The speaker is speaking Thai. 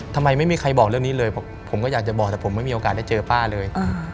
ทำไมไม่มีใครบอกเรื่องนี้เลยผมก็อยากจะบอกแต่ผมไม่มีโอกาสได้เจอป้าเลย